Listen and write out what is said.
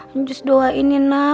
anjus doainin lah